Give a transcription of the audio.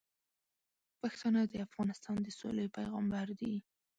پښتانه د افغانستان د سولې پیغامبر دي.